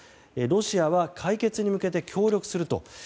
ロシアは解決に向けて協力すると。